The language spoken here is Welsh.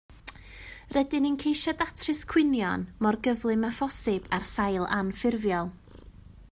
Rydyn ni'n ceisio datrys cwynion mor gyflym â phosib ar sail anffurfiol